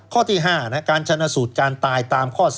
ข้อที่๕การชนะสูตรการตายตามข้อ๓